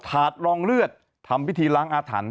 ถาดรองเลือดทำพิธีล้างอาถรรพ์